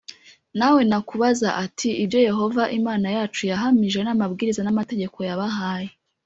wawe nakubaza ati ibyo Yehova Imana yacu yahamije n amabwiriza n amategeko yabahaye